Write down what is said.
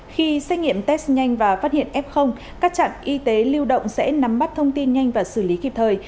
khi xét nghiệm test nhanh và phát hiện f các trạm y tế lưu động sẽ nắm bắt thông tin nhanh và xử lý kịp thời